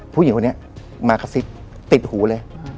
ผู้หญิงคนนี้มากระซิบติดหูเลย